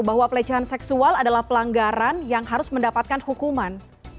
bahwa pelecehan seksual adalah pelanggaran yang harus mendapatkan hukuman